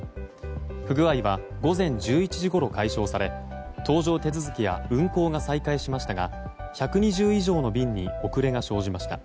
不具合は午前１１時ごろ解消され搭乗手続きや運航が再開しましたが１２０以上の便に遅れが生じました。